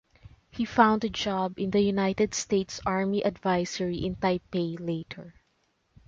He found a job in the United States Army Advisory in Taipei later.